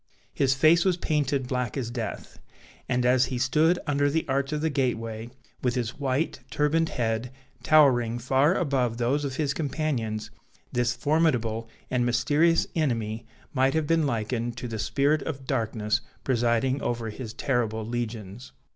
His face was painted black as death; and as he stood under the arch of the gateway, with his white turbaned head towering far above those of his companions, this formidable and mysterious enemy might have been likened to the spirit of darkness presiding over his terrible legions.